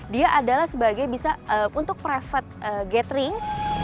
dia adalah sebagai bisa untuk private gathering